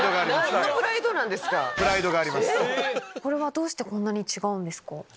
これはどうしてこんなに違うんですか？